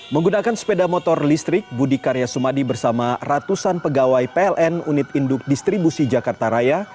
menggunakan sepeda motor listrik budi karya sumadi bersama ratusan pegawai pln unit induk distribusi jakarta raya